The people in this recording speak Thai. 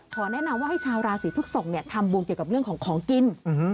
แนะนำว่าให้ชาวราศีพฤกษกทำบุญเกี่ยวกับเรื่องของของกิน